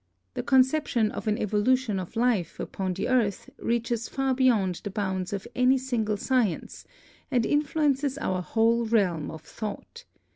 The conception of an evolution of life upon the earth reaches far beyond the bounds of any single science and influences our whole realm of thought.